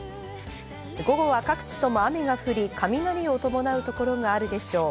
午後は各地とも雨が降り、雷を伴う所があるでしょう。